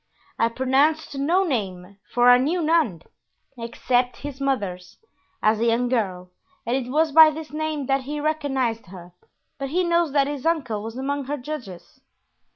"I pronounced no name, for I knew none, except his mother's, as a young girl, and it was by this name that he recognized her, but he knows that his uncle was among her judges."